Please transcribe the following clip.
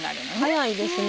早いですね。